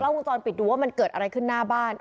วงจรปิดดูว่ามันเกิดอะไรขึ้นหน้าบ้าน